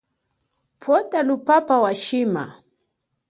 Pwota luphapha wa shima.